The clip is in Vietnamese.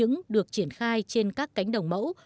nhưng cũng được triển khai trên các cánh đồng mẫu